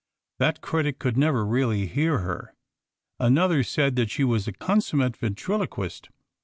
That critic could never really hear her. Another said that she was a consummate ventriloquist.